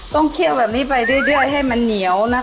เคี่ยวแบบนี้ไปเรื่อยให้มันเหนียวนะคะ